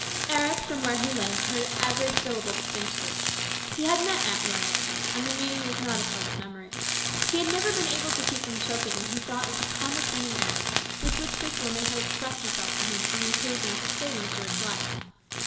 Eric from where he lay heard every syllable distinctly. He had met Aunt Royal once, and the meeting was not a pleasant memory. He had never been able to keep from choking when he thought of the condescending air with which this woman had expressed herself to him on the occasion of his saving Stuart's life.